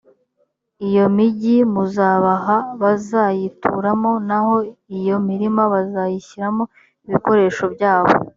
iyo migi muzabaha bazayituramo, naho iyo mirima bazayishyiramo ibikoresho byabo